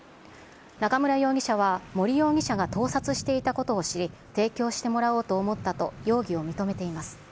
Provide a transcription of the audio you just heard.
中村容疑者は森容疑者が盗撮していたことを知り、提供してもらおうと思ったと容疑を認めています。